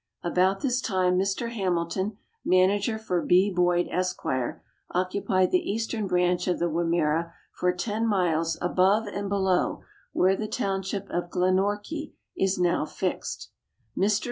About this time Mr. Hamilton, manager for B. Boyd, Esq., occupied the eastern branch of the Wimmera for ten miles above and below where the township of Glenorchy is DOW fixed. Mr.